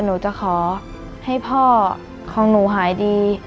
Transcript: หนูจะขอให้พ่อของหนูหายดี